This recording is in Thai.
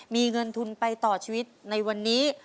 มีเงินทุนไปต่อชีวิตในวันนี้